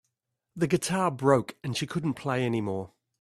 The guitar broke and she couldn't play anymore.